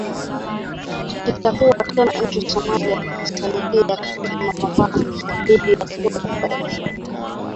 Kitakuwa tena nchini Somalia kusaidia katika mapambano dhidi ya kundi la kigaidi